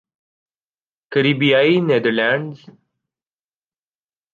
کریبیائی Netherlands